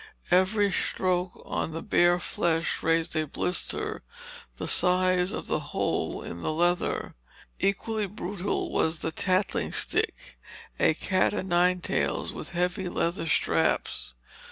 Every stroke on the bare flesh raised a blister the size of the hole in the leather. Equally brutal was the tattling stick, a cat o' nine tails with heavy leather straps.